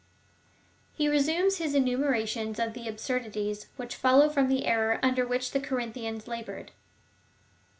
He resumes his enumera tion of the absurdities, which follow from the error under which the Corinthians laboured.